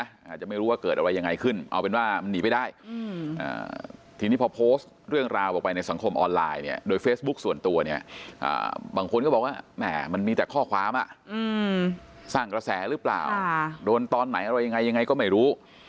อาจจะไม่รู้ว่าเกิดอะไรยังไงขึ้นเอาเป็นว่ามันหนีไปได้ทีนี้พอโพสต์เรื่องราวออกไปในสังคมออนไลน์เนี่ยโดยเฟซบุ๊คส่วนตัวเนี่ยบางคนก็บอกว่าแหม่มันมีแต่ข้อความสร้างกระแสหรือเปล่าโดนตอนไหนอะไรยังไงยังไงก็ไม่รู้